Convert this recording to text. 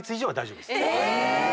え！